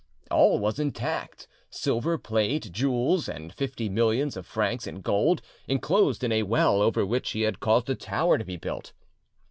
All was intact, silver plate, jewels, and fifty millions of francs in gold, enclosed in a well over which he had caused a tower to be built.